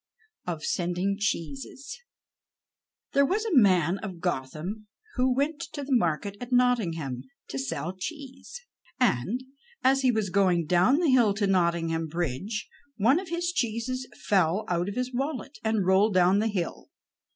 OF SENDING CHEESES There was a man of Gotham who went to the market at Nottingham to sell cheese, and as he was going down the hill to Nottingham bridge, one of his cheeses fell out of his wallet and rolled down the hill.